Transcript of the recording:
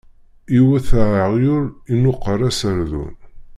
Iwwet aɣyul, inuqeṛ aserdun.